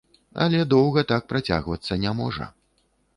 Але доўга так працягвацца не можа.